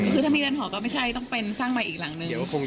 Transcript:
คือถ้ามีเรือนหอก็ไม่ใช่ต้องเป็นสร้างใหม่อีกหลังนึง